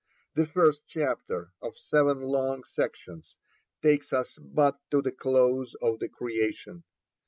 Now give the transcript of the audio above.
The first chapter, of seven long sections, takes us but to the close of the Creation.